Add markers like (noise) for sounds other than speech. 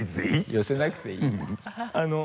寄せなくていい (laughs)